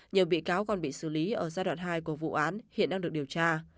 nhiều bị cáo còn bị xử lý ở giai đoạn hai của vụ án hiện đang được điều tra